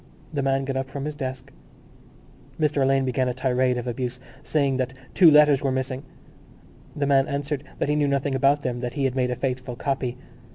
The man got up from his desk. Mr Alleyne began a tirade of abuse, saying that two letters were missing. The man answered that he knew nothing about them, that he had made a faithful copy.